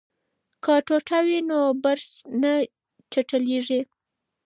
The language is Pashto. که ټوټه وي نو برس نه چټلیږي.